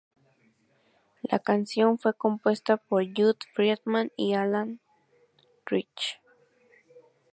La canción fue compuesta por Jud Friedman y Allan Rich.